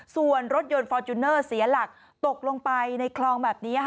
ส่วนรถยนต์ฟอร์จูเนอร์เสียหลักตกลงไปในคลองแบบนี้